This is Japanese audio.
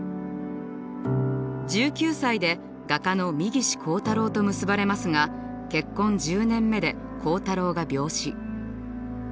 １９歳で画家の三岸好太郎と結ばれますが結婚１０年目で好太郎が病死。